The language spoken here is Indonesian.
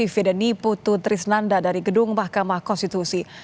vida niputu trisnanda dari gedung mahkamah konstitusi